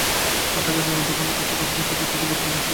আর টাকা যখন আছে তখন কিছুতেই কিছু বাধবে না, সবই চলে যাবে।